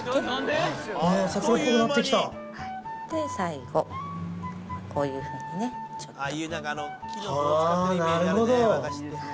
最後こういうふうにねちょっと。